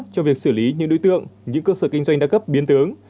trong việc xử lý những đối tượng những cơ sở kinh doanh đa cấp biến tướng